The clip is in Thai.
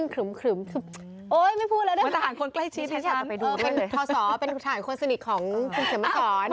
เฮ่ยเดี๋ยวก่อนนะ